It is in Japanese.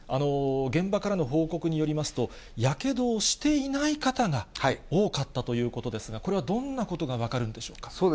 現場からの報告によりますと、やけどをしていない方が多かったということですが、これはどんなことが分かるんでしょうか。